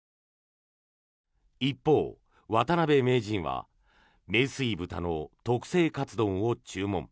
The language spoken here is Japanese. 一方、渡辺名人は名水豚の特製かつ丼を注文。